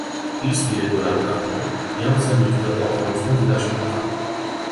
Il suit l'école à Locarno et enseigne tout d'abord dans son village natal.